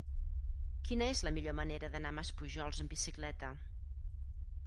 Quina és la millor manera d'anar a Maspujols amb bicicleta?